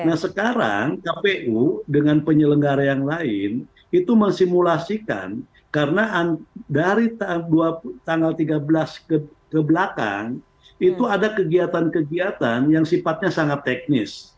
nah sekarang kpu dengan penyelenggara yang lain itu mensimulasikan karena dari tanggal tiga belas ke belakang itu ada kegiatan kegiatan yang sifatnya sangat teknis